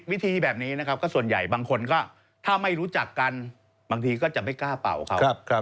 วิธีแบบนี้นะครับก็ส่วนใหญ่บางคนก็ถ้าไม่รู้จักกันบางทีก็จะไม่กล้าเป่าเขา